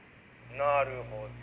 なるほど。